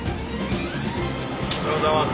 おはようございます。